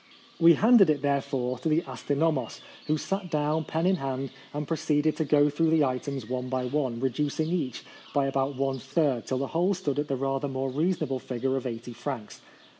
"We handed it, therefore, to the astyno mos, who sat down, pen in hand, and proceeded to go through the items one by one, reducing each by about one third, till the whole stood at the rather more reasonable figure of 80 francs.